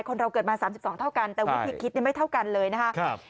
เราเกิดมา๓๒เท่ากันแต่วิธีคิดไม่เท่ากันเลยนะครับ